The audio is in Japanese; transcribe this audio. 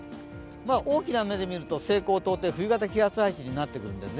大きな目で見ると西高東低、冬型気圧配置になってくるんですね。